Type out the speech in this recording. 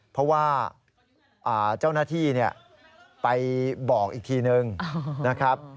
เพราะว่าเจ้าหน้าที่ไปบอกอีกทีนึงนะครับ